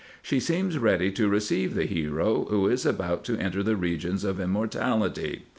She seems ready to receive the hero, who is about to enter the regions of immortality.